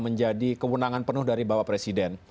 menjadi kewenangan penuh dari bapak presiden